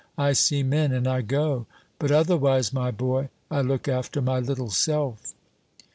I see men, and I go. But otherwise, my boy, I look after my little self."